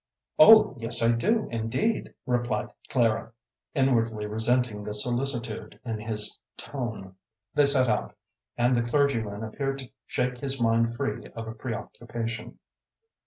"Oh yes, I do indeed," replied Clara, inwardly resenting the solicitude in his tone. They set out, and the clergyman appeared to shake his mind free of a preoccupation.